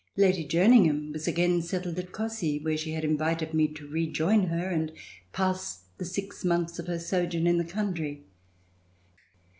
Lady Jerningham was again settled at Cossey, where she had invited me to rejoin her and pass the six months of her sojourn in the country.